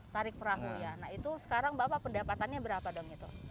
tarik perahu ya nah itu sekarang bapak pendapatannya berapa dong itu